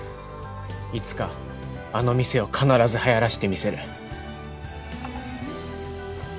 いつかあの店を必ずはやらせてみせる。